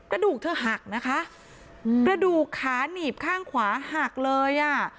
กระดูกเธอหักนะคะกระดูกขาหนีบข้างขวาหักเลยอ่ะ